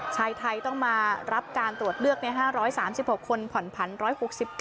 ชายไทยต้องมารับการตรวจเลือก๕๓๖คนผ่อนผัน๑๖๙